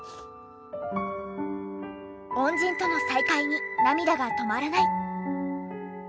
恩人との再会に涙が止まらない。